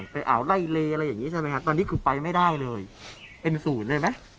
อ่าวไล่เลอะไรอย่างนี้ใช่ไหมครับตอนนี้คือไปไม่ได้เลยเป็นศูนย์เลยไหม